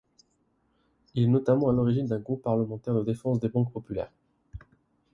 Il est notamment à l'origine d'un groupe parlementaire de défense des banques populaires.